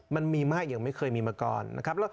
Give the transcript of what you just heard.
มันมีมากอย่างไม่เคยมีมาก่อนนะครับ